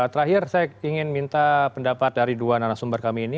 terakhir saya ingin minta pendapat dari dua narasumber kami ini